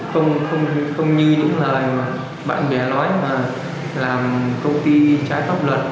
không như những lời bạn bè nói mà làm công ty trái phép luật